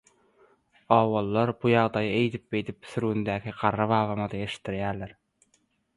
Obalylar bu ýagdaýy eýdip beýdip sürgündäki garry babama-da eştdirýäler.